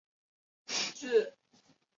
谭纶对军事甚有研究。